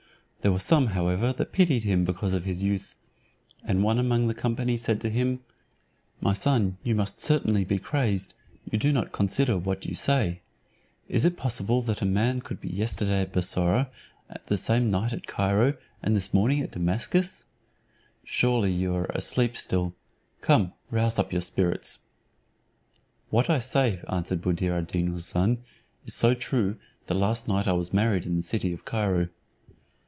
There were some, however, that pitied him because of his youth; and one among the company said to him, "My son, you must certainly be crazed, you do not consider what you say. Is it possible that a man could yesterday be at Bussorah, the same night at Cairo, and this morning at Damascus? Surely you are asleep still, come rouse up your spirits." "What I say," answered Buddir ad Deen Houssun, "is so true that last night I was married in the city of Cairo."